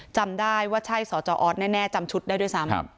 จำได้ว่าใช่สจออสแน่จำชุดได้ด้วยซ้ำ